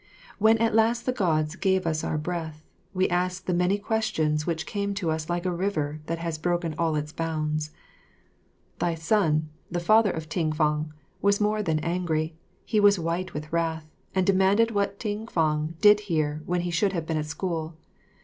When at last the Gods gave us our breath, we asked the many questions which came to us like a river that has broken all its bounds. Thy son, the father of Ting fang, was more than angry he was white with wrath, and demanded what Ting fang did here when he should have been at school.